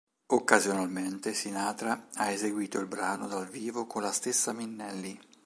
Occasionalmente, Sinatra ha eseguito il brano dal vivo con la stessa Minnelli.